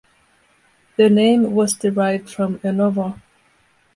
The name was derived from a novel.